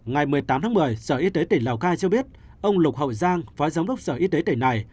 ngày một mươi tám tháng một mươi sở y tế tỉnh lào cai cho biết ông lục hậu giang phó giám đốc sở y tế tỉnh này